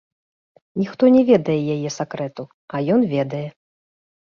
Ніхто не ведае яе сакрэту, а ён ведае.